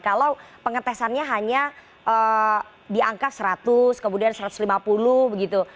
kalau pengetesannya hanya di angka seratus kemudian satu ratus lima puluh begitu